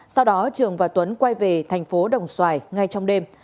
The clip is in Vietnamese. sau đó trường và tuấn quay về thành phố đồng xoài ngay trong đêm